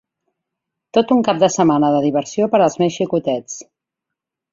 Tot un cap de setmana de diversió per als més xicotets.